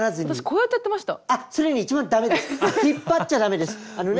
こうやってやってました